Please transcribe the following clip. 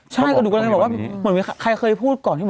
ใช่ก็ดูก่อนข้างก่อนบอกว่าเหมือนว่าใครเคยพูดก่อน